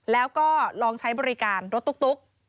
แล้วก็ลองใช้บริการรถตุ๊ก